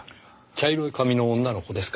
茶色い髪の女の子ですか？